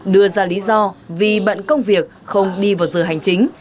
đưa ra lý do vì bận công việc không đi vào giờ hành chính